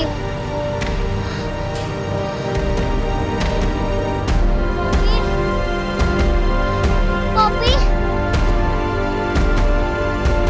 popi mau pulang aja ke mama